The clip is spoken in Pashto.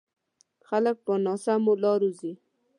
خلک په ناسمو لارو ځي.